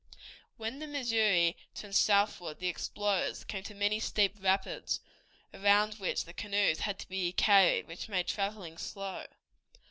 When the Missouri turned southward the explorers came to many steep rapids, around which the canoes had to be carried, which made traveling slow.